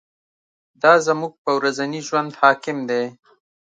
دا زموږ په ورځني ژوند حاکم دی.